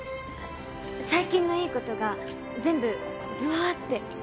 最近のいいことが全部ブワーって。